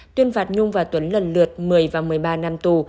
tuyên phạt nhung và tuấn lần lượt một mươi và một mươi ba năm tù